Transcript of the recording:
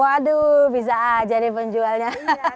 waduh bisa aja nih penjualnya